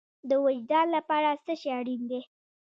د وجدان لپاره څه شی اړین دی؟